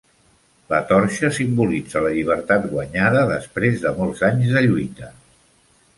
La torxa simbolitza la llibertat guanyada després de molts anys de lluita.